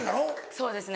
そうですね。